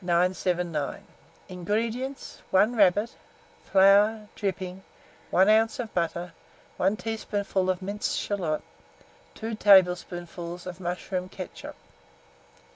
979. INGREDIENTS. 1 rabbit, flour, dripping, 1 oz. of butter, 1 teaspoonful of minced shalot, 2 tablespoonfuls of mushroom ketchup.